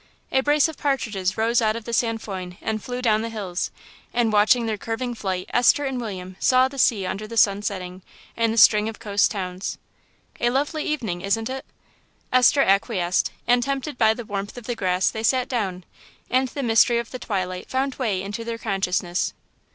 A brace of partridges rose out of the sainfoin, and flew down the hills; and watching their curving flight Esther and William saw the sea under the sun setting, and the string of coast towns. "A lovely evening, isn't it?" Esther acquiesced; and tempted by the warmth of the grass they sat down, and the mystery of the twilight found way into their consciousness.